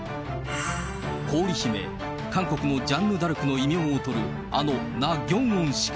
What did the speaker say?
氷姫、韓国のジャンヌ・ダルクの異名をとる、あのナ・ギョンウォン氏か。